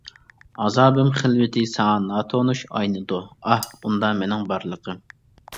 ئازابىم خىلۋىتى ساڭا ناتونۇش ئاينىيدۇ، ئاھ، ئۇندا مېنىڭ بارلىقىم.